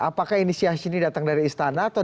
apakah inisiasi ini datang dari istana atau